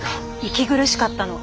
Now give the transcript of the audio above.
息苦しかったの。